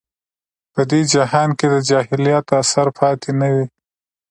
په دې جهان کې د جاهلیت اثر پاتې نه وي.